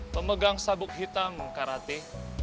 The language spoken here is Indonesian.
pemegang sabuk hitam karate